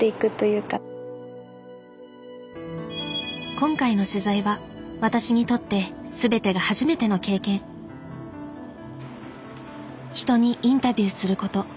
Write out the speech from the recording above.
今回の取材は私にとって全てが初めての経験人にインタビューすること。